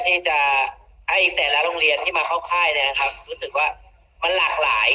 ที่จะให้แต่ละโรงเรียนที่มาเข้าค่ายนะครับรู้สึกว่ามันหลากหลาย